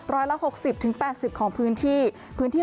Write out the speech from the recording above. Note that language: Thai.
ร้อยละ๖๐๘๐ของพื้นที่